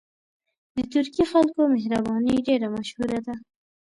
د ترکي خلکو مهرباني ډېره مشهوره ده.